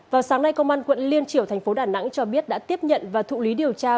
vào sáng nay công an quận liên triểu thành phố đà nẵng cho biết đã tiếp nhận và thụ lý điều tra